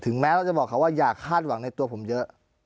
แม้เราจะบอกเขาว่าอย่าคาดหวังในตัวผมเยอะ